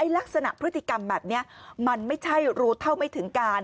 ลักษณะพฤติกรรมแบบนี้มันไม่ใช่รู้เท่าไม่ถึงการ